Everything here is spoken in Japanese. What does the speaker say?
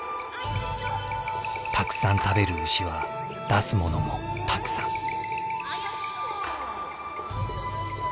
たくさん食べる牛は出すものもたくさん。